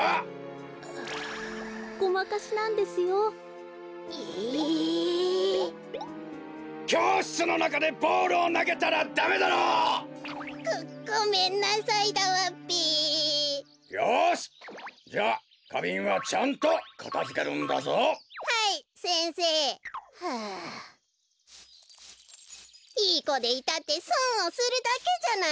こころのこえいいこでいたってそんをするだけじゃない！